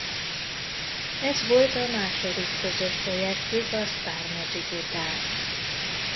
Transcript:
Ez volt a második közös projektjük a Star Magic után.